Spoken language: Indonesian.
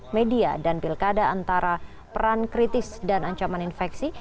media dan pilkada antara peran kritis dan ancaman infeksi